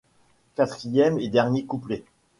Quatrième et dernier couplet !